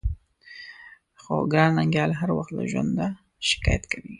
خو ګران ننګيال هر وخت له ژونده شکايت کوي.